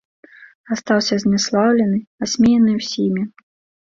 Астаўся зняслаўлены, асмеяны ўсімі.